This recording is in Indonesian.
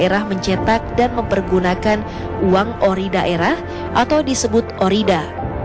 pemerintah indonesia juga telah mencetak dan mempergunakan uang ori daerah atau disebut orida